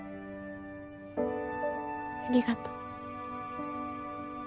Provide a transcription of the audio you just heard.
ありがとう。